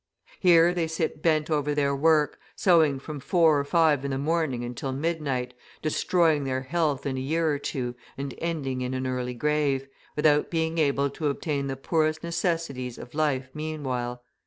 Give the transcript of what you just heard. Here they sit bent over their work, sewing from four or five in the morning until midnight, destroying their health in a year or two and ending in an early grave, without being able to obtain the poorest necessities of life meanwhile.